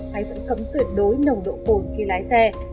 hay vẫn cấm tuyệt đối nồng độ cồn khi lái xe